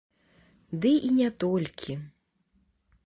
Ды і не толькі.